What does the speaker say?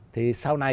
thì sau này